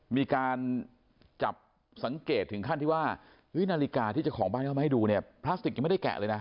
มีการจับสังเกตถึงขั้นที่ว่านาฬิกาที่เจ้าของบ้านเข้ามาให้ดูเนี่ยพลาสติกยังไม่ได้แกะเลยนะ